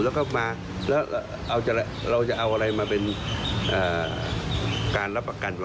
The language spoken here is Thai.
แล้วก็มาแล้วเอาจะเราจะเอาอะไรมาเป็นอ่าการรับประกัน